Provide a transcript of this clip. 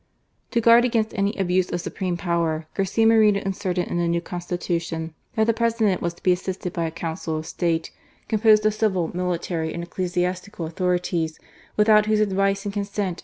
"^ To guard against any abuse of supreme power,. Garcia Moreno inserted in the new Constitution that the President was to be assisted by a Council of State, composed of civil, military, and ecclesias tical authorities, y^ithout whose advice and consent 3X6 GAnCiA MORENO.